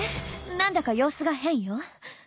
なんだか様子が変よ。